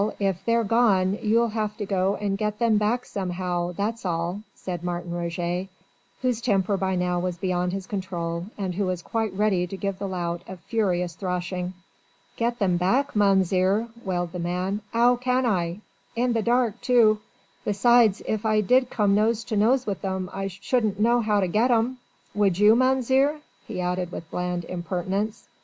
if they're gone you'll have to go and get them back somehow, that's all," said Martin Roget, whose temper by now was beyond his control, and who was quite ready to give the lout a furious thrashing. "Get them back, Mounzeer," wailed the man, "'ow can I? In the dark, too. Besides, if I did come nose to nose wi' 'em I shouldn't know 'ow to get 'em. Would you, Mounzeer?" he added with bland impertinence.